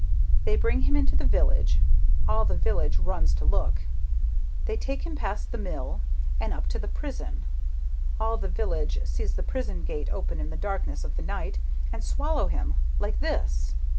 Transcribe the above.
They bring him into the village; all the village runs to look; they take him past the mill, and up to the prison; all the village sees the prison gate open in the darkness of the night, and swallow him like this!"